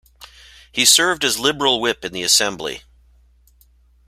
He served as Liberal whip in the assembly.